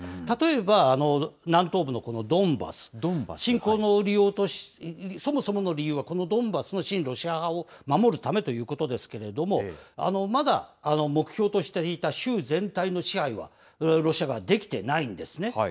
例えば南東部のこのドンバス、侵攻のそもそもの理由はこのドンバスの親ロシア派を守るためということですけれども、まだ目標としていた州全体の支配はロシア側、できてないんですね。